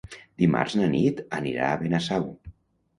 Dimarts na Nit anirà a Benasau.